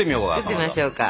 作ってみましょうか。